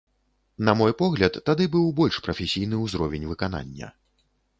На мой погляд, тады быў больш прафесійны ўзровень выканання.